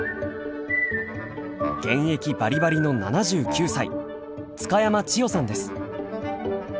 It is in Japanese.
現役バリバリの７９歳津嘉山千代さんです。